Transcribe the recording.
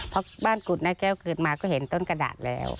เพราะบ้านกุฎหน้าแก้วเกิดมาก็เห็นต้นกระดาษแล้ว